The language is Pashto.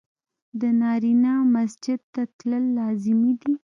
د نارينه مسجد ته تلل لازمي دي.